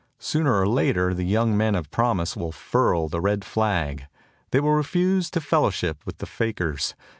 Sooner or later the young men of promise will furl the red flag. They will refuse to fellowship with the fakers.